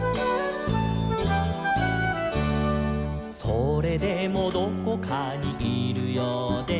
「それでもどこかにいるようで」